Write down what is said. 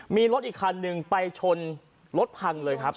มีรถอีกคันหนึ่งไปชนรถพังเลยครับ